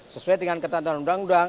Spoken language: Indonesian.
sesuai dengan ketentuan undang undang